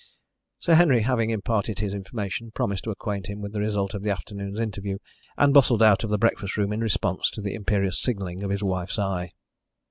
Sir Henry, having imparted his information, promised to acquaint him with the result of the afternoon's interview, and bustled out of the breakfast room in response to the imperious signalling of his wife's eye.